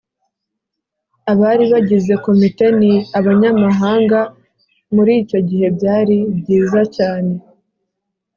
Abari bagize Komite ni abanyamahanga muri icyo gihe byari byiza cyane